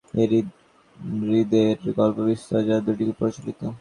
এই হ্রদের গল্প বিস্তর, যার দুটি খুবই প্রচলিত।